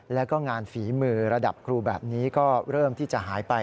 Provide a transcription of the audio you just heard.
แล้วก็งานฝีมือระดับครูแบบนี้ก็เริ่มที่จะหายไป